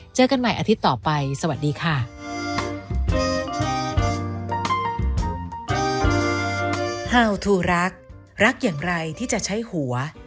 เจอกันใหม่อาทิตย์ต่อไปสวัสดีค่ะ